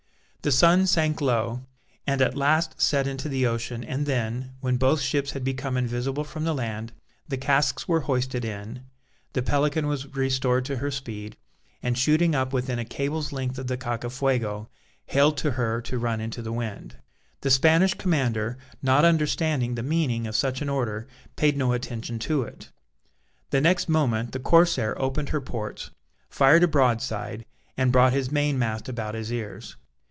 The sun sank low, and at last set into the ocean, and then, when both ships had become invisible from the land, the casks were hoisted in, the Pelican was restored to her speed, and shooting up within a cable's length of the Cacafuego, hailed to her to run into the wind. The Spanish commander, not understanding the meaning of such an order, paid no attention to it. The next moment the corsair opened her ports, fired a broadside, and brought his main mast about his ears.